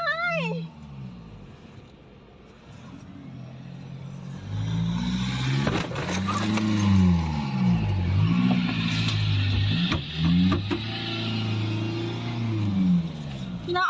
น้องออกแล้วนะครับ